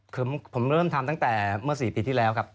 คือผมเริ่มทำตั้งแต่เมื่อ๔ปีที่แล้วครับ